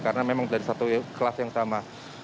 karena memang dari satu kelas yang sama